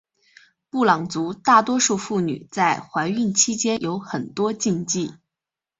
布朗族大多数妇女在怀孕期间有很多禁忌。